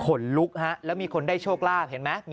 ขนลุกแล้วมีคนได้โชคราบเห็นไหม